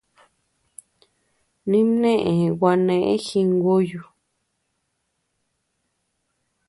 Nimnéʼë gua néʼe jinguyu.